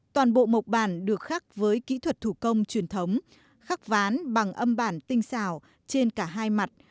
toàn bộ mộc bản được khắc với kỹ thuật thủ công truyền thống khắc ván bằng âm bản tinh xào trên cả hai mặt